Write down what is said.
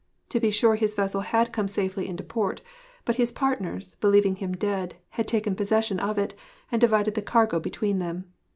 To be sure his vessel had come safely to port; but his partners, believing him dead, had taken possession of it and divided the cargo between them.